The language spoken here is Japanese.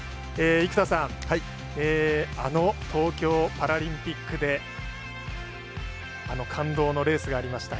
生田さんあの東京パラリンピックであの感動のレースがありました。